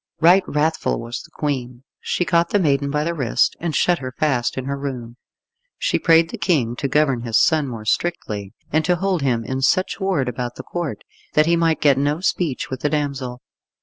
Right wrathful was the Queen. She caught the maiden by the wrist, and shut her fast in her room. She prayed the King to govern his son more strictly, and to hold him in such ward about the Court that he might get no speech with the damsel.